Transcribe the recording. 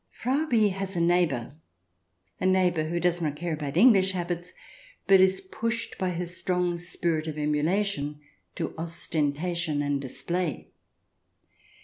Frau B has a neighbour — a neighbour who does not care about English habits, but is pushed by her strong spirit of emulation to ostentation and display.